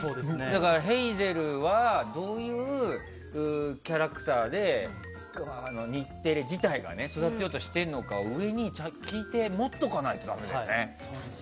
ヘイゼルはどういうキャラクターで日テレ自体が育てようとしているのかを上に聞いて持っておかないとダメだよね。